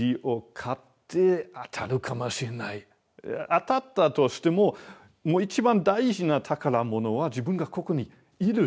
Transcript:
当たったとしてももう一番大事な宝物は自分がここにいるという。